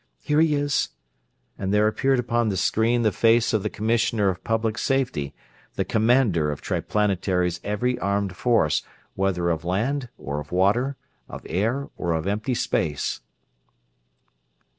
Here he is," and there appeared upon the screen the face of the Commissioner of Public Safety, the commander of Triplanetary's every armed force whether of land or of water, of air or of empty space.